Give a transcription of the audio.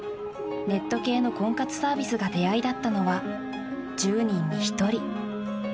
ネット系の婚活サービスが出会いだったのは１０人に１人。